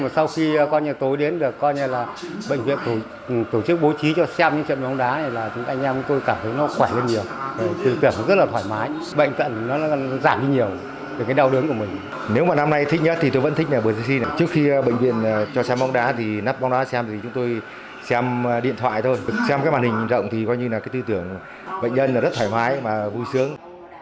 xem cái màn hình rộng thì coi như là cái tư tưởng bệnh nhân là rất thoải mái và vui sướng